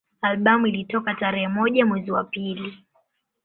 Albamu ilitoka tarehe moja mwezi wa pili